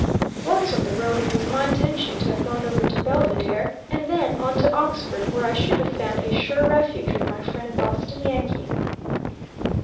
Once on the road it was my intention to have gone over to Belvidere, and then on to Oxford, where I should have found a sure refuge with my friend Boston Yankee.